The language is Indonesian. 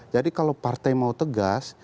jadi kalau partai mau tegas